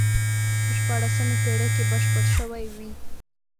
په شپاړسمې پېړۍ کې بشپړ شوی وي.